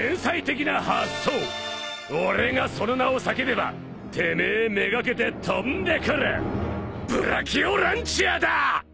俺がその名を叫べばてめえ目がけて飛んでくるブラキオランチャーだ！